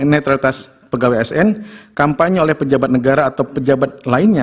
dan netralitas pegawai sn kampanye oleh pejabat negara atau pejabat lainnya